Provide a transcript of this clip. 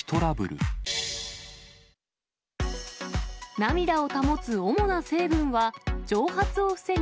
涙を保つ主な成分は、蒸発を防ぐ